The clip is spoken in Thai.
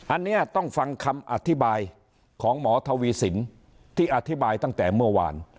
อันนี้ต้องฟังคำอธิบายของหมอทวีสินที่อธิบายตั้งแต่เมื่อวาน